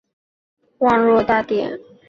主教座堂是拉特朗圣若望大殿。